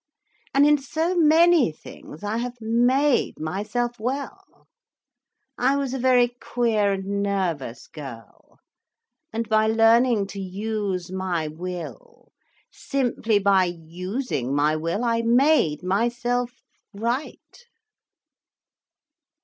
And in so many things, I have made myself well. I was a very queer and nervous girl. And by learning to use my will, simply by using my will, I made myself right."